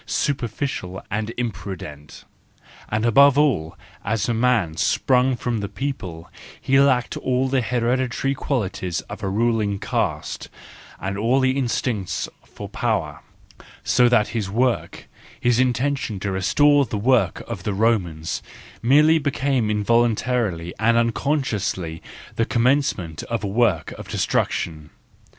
superficial and imprudent—and above all, as a man sprung from the people, he lacked all the hereditary qualities of a ruling caste, and all the instincts for power; so that his work, his intention to restore the work of the Romans, merely became involuntarily and unconsciously the commencement of a work of destruction.